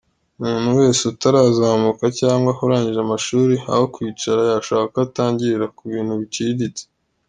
Umuntu wese utarazamuka cyangwa urangije amashuri , aho kwicara, yashaka uko atangirira ku bintu biciriritse.